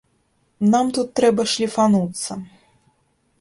Нам тут трэба шліфануцца.